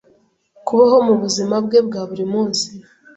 kubaho mu buzima bwe bwa buri munsi